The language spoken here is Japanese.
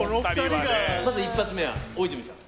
まず一発目は大泉さん